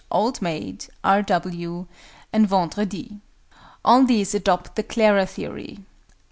OLD MAID, R. W., and VENDREDI. All these adopt the "Clara" theory.